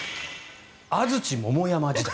安土桃山時代。